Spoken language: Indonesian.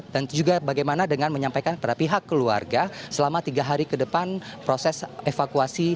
dan juga bagaimana dengan menyampaikan kepada pihak keluarga selama tiga hari ke depan proses evakuasi